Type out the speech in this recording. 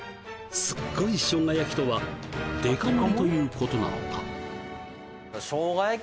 すっごいしょうが焼きとはデカ盛りということなのか？